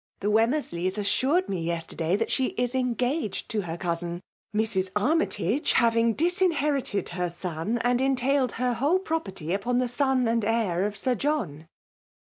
"The Wemmemieys aonuced me yesterday that she is engaged to her cousiii , Mxb« Aimytage hamng diBinhot rited Arthur, and eatailed her whole property upon the son and heir of Sir John.''